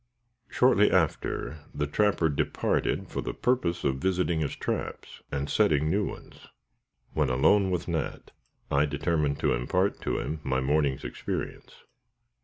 Shortly after, the trapper departed for the purpose of visiting his traps, and setting new ones. When alone with Nat, I determined to impart to him my morning's experience.